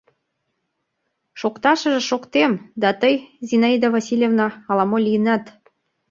Шокташыже шоктем, да тый, Зинаида Васильевна, ала-мо лийынат.